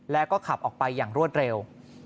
แล้วก็ขับออกไปอย่างรวดเร็ว